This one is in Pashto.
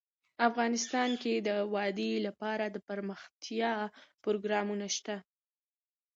افغانستان کې د وادي لپاره دپرمختیا پروګرامونه شته.